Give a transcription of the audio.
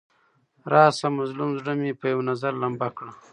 راشه مظلوم زړه مې په یو نظر لمبه کړه.